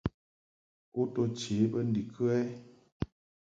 U to che bə ndikə ?